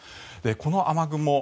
この雨雲